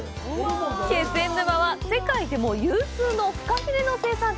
気仙沼は世界でも有数のフカヒレの生産地！